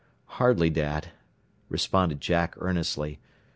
"Hardly, Dad," responded Jack earnestly.